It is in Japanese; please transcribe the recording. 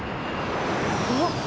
あっ！